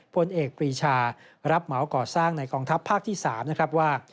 พลเอกปรีชารับเหมาก่อสร้างในกองทัพภาคที่๓นะครับว่า